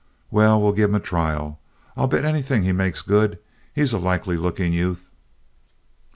"Well, we'll give him a trial. I bet anything he makes good. He's a likely looking youth."